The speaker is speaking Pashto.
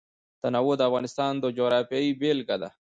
تنوع د افغانستان د جغرافیې بېلګه ده.